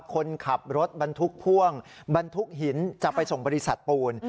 คนขับรถบรรทุกพ่วงบรรทุกหินจะไปส่งบริษัทปูน